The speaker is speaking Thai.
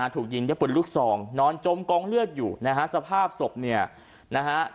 ถูกยิงด้วยปืนลูกซองนอนจมกองเลือดอยู่นะฮะสภาพศพเนี่ยนะฮะ